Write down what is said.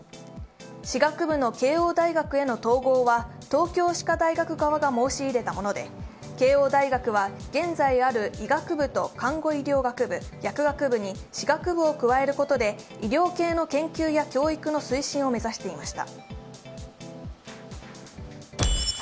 歯学部の慶応大学への統合は東京歯科大学側が申し入れたもので、慶応大学は現在ある医学部と看護医療学部、薬学部に歯学部を加えることで医療系の研究や教育の推進を目指していました。